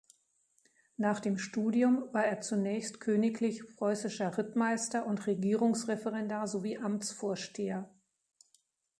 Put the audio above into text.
Nach dem Studium war er zunächst königlich preußischer Rittmeister und Regierungsreferendar sowie Amtsvorsteher.